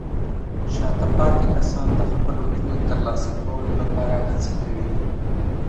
شاته پاتې کسان د خپلو هیلو ترلاسه کولو لپاره هڅې کوي.